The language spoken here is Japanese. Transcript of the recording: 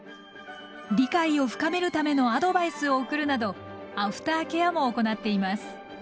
理解を深めるためのアドバイスを送るなどアフターケアも行っています。